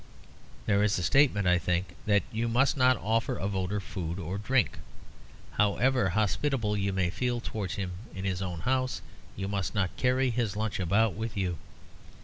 There is a statement, I think, that you must not offer a voter food or drink. However hospitable you may feel towards him in his own house, you must not carry his lunch about with you.